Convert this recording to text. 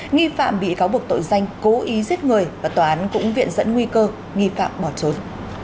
nghi phạm bị cáo buộc tội danh cố ý giết người và tòa án cũng viện dẫn nguy cơ nghi phạm bỏ trốn